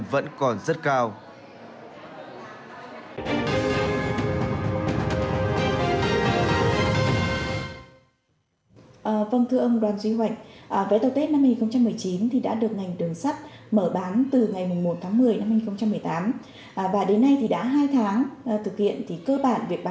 vậy tiếp tục